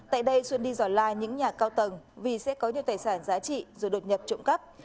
tại đây xuân đi dò la những nhà cao tầng vì sẽ có nhiều tài sản giá trị rồi đột nhập trộm cắp